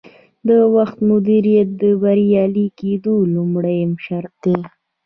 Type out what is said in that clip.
د وخت مدیریت د بریالي کیدو لومړنی شرط دی.